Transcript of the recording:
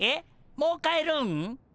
もう帰るん？